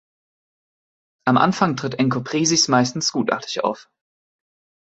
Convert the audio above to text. Am Anfang tritt Enkopresis meistens gutartig auf.